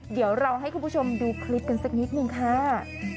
เดี๋ยวเราให้คุณผู้ชมดูคลิปกันสักนิดนึงค่ะ